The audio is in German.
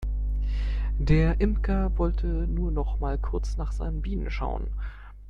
Der Imker wollte nur noch mal kurz nach seinen Bienen schauen.